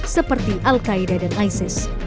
seperti al qaeda dan isis